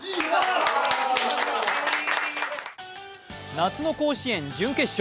夏の甲子園準決勝。